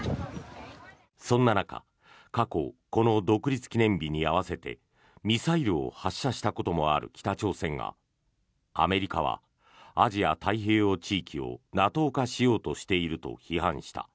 そんな中、過去この独立記念日に合わせてミサイルを発射したこともある北朝鮮がアメリカはアジア太平洋地域をＮＡＴＯ化しようとしていると批判した。